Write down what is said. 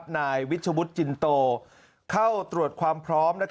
นายวิชวุฒิจินโตเข้าตรวจความพร้อม